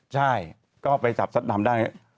ใช่ก็ไปจับซัตดำด้านนี้